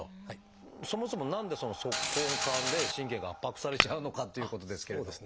そもそも何でその足根管で神経が圧迫されちゃうのかっていうことですけれど。